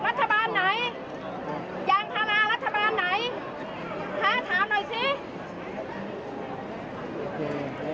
รัฐบาลไหนยางพารารัฐบาลไหนคะถามหน่อยสิ